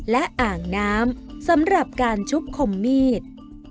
และอ่างน้ำสำหรับการชุด